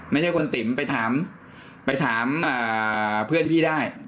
ไม่ใช่คุณติ๋มไปถามไปถามเพื่อนพี่ได้